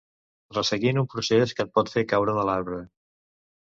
Resseguint un procés que et pot fer caure de l'arbre.